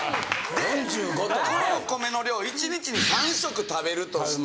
でこのお米の量１日に３食食べるとして。